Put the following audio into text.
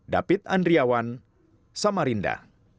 david andriawan samarinda